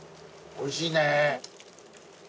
おいしい！